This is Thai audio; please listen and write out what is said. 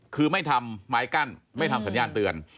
คือไม่ทำไม้กั้นไม่ทำสัญญาณเตือน